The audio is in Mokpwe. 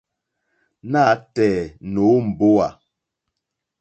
Nǎtɛ̀ɛ̀ nǒ mbówà.